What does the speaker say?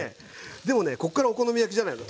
でもねこっからお好み焼きじゃないの。